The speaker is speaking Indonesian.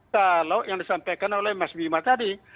kalau yang disampaikan oleh mas bima tadi